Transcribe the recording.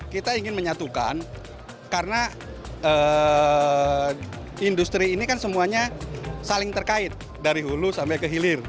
kita ingin menyatukan karena industri ini kan semuanya saling terkait dari hulu sampai ke hilir